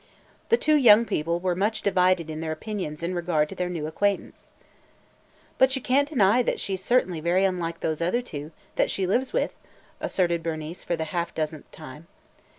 The two young people were much divided in their opinions in regard to their new acquaintance. "But you can't deny that she 's certainly very unlike those other two – that she lives with!" asserted Bernice for the half dozenth time.